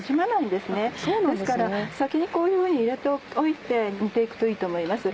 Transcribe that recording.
ですから先にこういうふうに入れておいて煮て行くといいと思います。